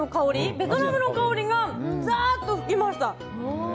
ベトナムの香りがさーっと吹きました。